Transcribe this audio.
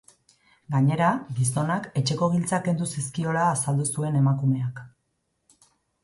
Gainera, gizonak etxeko giltzak kendu zizkiola azaldu zuen emakumeak.